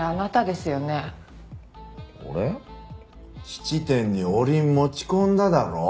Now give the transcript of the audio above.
質店にお鈴持ち込んだだろ？